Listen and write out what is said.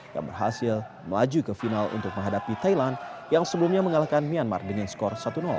yang berhasil melaju ke final untuk menghadapi thailand yang sebelumnya mengalahkan myanmar dengan skor satu